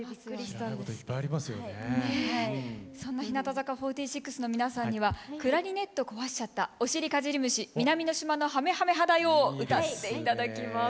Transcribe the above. そんな日向坂４６の皆さんには「クラリネットこわしちゃった」「おしりかじり虫」「南の島のハメハメハ大王」を歌って頂きます。